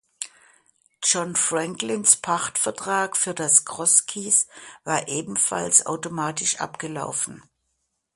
John Franklins Pachtvertrag für das Cross Keys war ebenfalls automatisch abgelaufen.